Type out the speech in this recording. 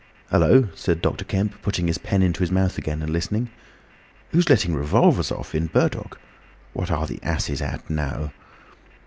"Hullo!" said Dr. Kemp, putting his pen into his mouth again and listening. "Who's letting off revolvers in Burdock? What are the asses at now?"